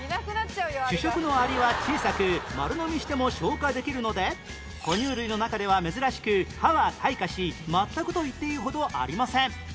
主食のアリは小さく丸のみしても消化できるので哺乳類の中では珍しく歯は退化し全くと言っていいほどありません